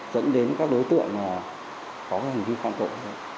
dẫn đến các đối tượng có hành vi phạm tội